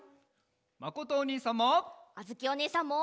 まことおにいさんも！